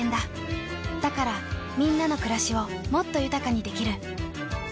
だからみんなの暮らしをもっと豊かにできる。